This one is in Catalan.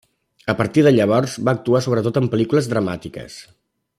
A partir de llavors va actuar sobretot en pel·lícules dramàtiques.